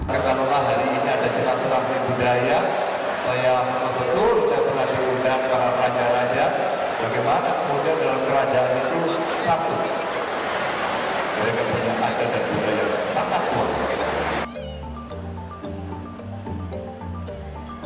dan dalam kerajaan itu satu mereka punya kader dan budaya yang sangat kuat